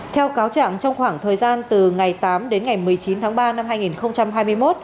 theo cáo trạng trong khoảng thời gian từ ngày tám đến ngày một mươi chín tháng ba năm hai nghìn hai mươi một